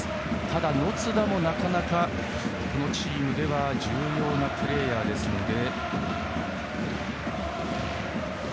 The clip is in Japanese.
ただ、野津田もなかなかこのチームでは重要なプレーヤーですので。